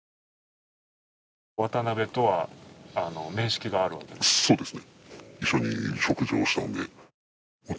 渡辺とは面識があるわけですね？